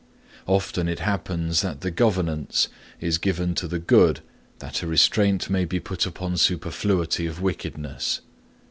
Often it happens that the governance is given to the good that a restraint may be put upon superfluity of wickedness.